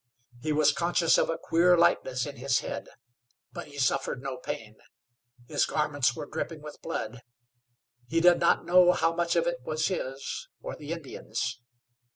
He was conscious of a queer lightness in his head, but he suffered no pain. His garments were dripping with blood. He did not know how much of it was his, or the Indian's.